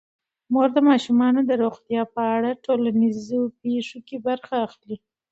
مور د ماشومانو د روغتیا په اړه د ټولنیزو پیښو کې برخه اخلي.